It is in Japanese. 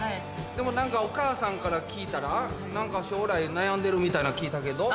でも何かお母さんから聞いたら何か将来悩んでるみたいなん聞いたけど？